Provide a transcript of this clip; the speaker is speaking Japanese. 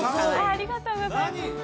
ありがとうございます